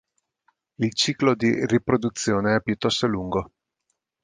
Il ciclo di riproduzione è piuttosto lungo.